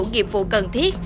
nghiệp vụ cần thiết